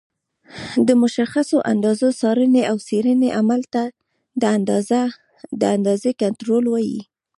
د مشخصو اندازو څارنې او څېړنې عمل ته د اندازې کنټرول وایي.